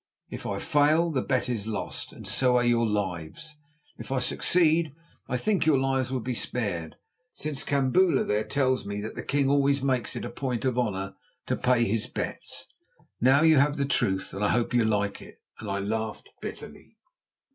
If I fail, the bet is lost, and so are your lives. If I succeed I think your lives will be spared, since Kambula there tells me that the king always makes it a point of honour to pay his bets. Now you have the truth, and I hope you like it," and I laughed bitterly.